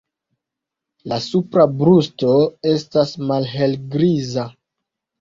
La supra brusto estas malhelgriza.